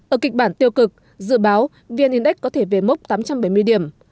ở kịch bản tiêu cực dự báo vn index có thể về mốc tám trăm bảy mươi điểm